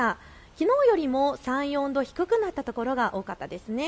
きのうよりも３、４度低くなったところが多かったですね。